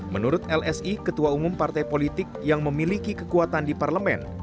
menurut lsi ketua umum partai politik yang memiliki kekuatan di parlemen